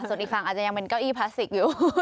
ส่วนอีกฝั่งอาจจะยังเป็นเก้าอี้พลาสติกอยู่